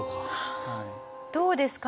どうですか？